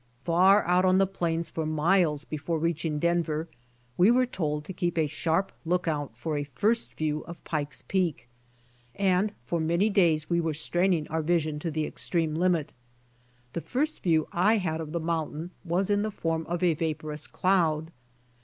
Far out on the plains for m,iles before reaching Denver, we were told to keep a sharp lookout for a first view of Pike's Peak, and for many days we were straining our vision to the extreme limit. The first view I had of the mountain was in the form of a vaporous cloud.